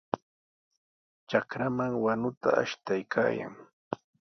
Trakraman wanuta ashtaykaayan.